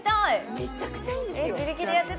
めちゃくちゃいいんですよ